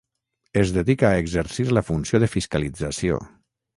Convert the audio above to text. Es dedica a exercir la funció de fiscalització.